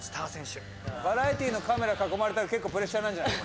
バラエティーのカメラ囲まれたら結構プレッシャーなんじゃない？